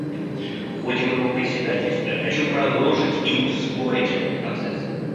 В ходе моего председательства я хочу продолжить — и ускорить — этот процесс.